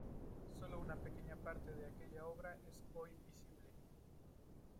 Solo una pequeña parte de aquella obra es hoy visible.